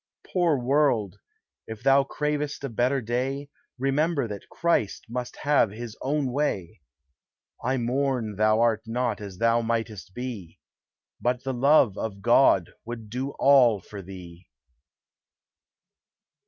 Poor world! if thou cravest a better day, Remember that Christ must have his own way; I mourn thou art not as thou mightest be, But the love of God would do all for thee.